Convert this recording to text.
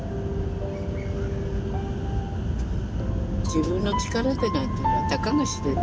自分の力でなんていうのはたかが知れている。